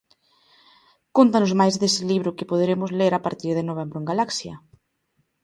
Cóntanos máis dese libro que poderemos ler a partir de novembro en Galaxia.